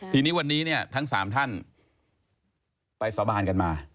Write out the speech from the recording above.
ทีนี้วันนี้เนี่ยทั้ง๓ท่านไปสาบานกันมา